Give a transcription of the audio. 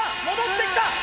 戻ってきた！